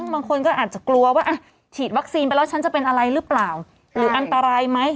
บางคนก็อาจจะกลัวว่าฉีดวัคซีนไปแล้วฉันจะเป็นอะไรหรือเปล่าหรืออันตรายไหม